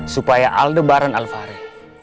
supaya aldebaran alvare